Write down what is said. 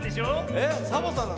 えっサボさんなの？